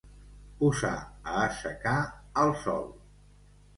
Posar a assecar al sol.